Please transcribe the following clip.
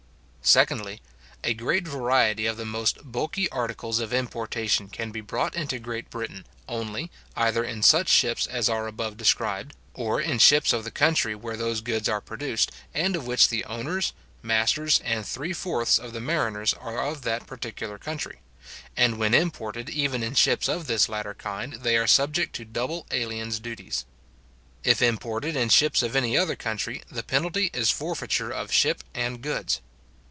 Secondly, A great variety of the most bulky articles of importation can be brought into Great Britain only, either in such ships as are above described, or in ships of the country where those goods are produced, and of which the owners, masters, and three fourths of the mariners, are of that particular country; and when imported even in ships of this latter kind, they are subject to double aliens duty. If imported in ships of any other country, the penalty is forfeiture of ship and goods.